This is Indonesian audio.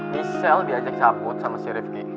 michelle diajak cabut sama si rifqi